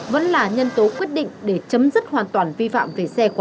vẫn là nhân tố quyết định để chấm dứt hoàn toàn vi phạm về xe quá tải